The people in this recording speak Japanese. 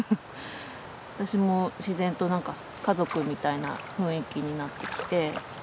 私も自然となんかその家族みたいな雰囲気になってきて。